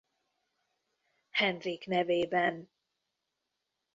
Henrik nevében.